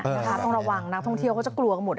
ต้องระวังนักท่องเที่ยวเขาจะกลัวกันหมด